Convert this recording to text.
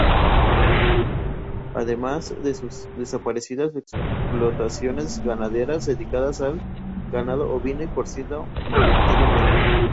Además de sus ya desaparecidas explotaciones ganaderas, dedicadas al ganado ovino y porcino mayoritariamente.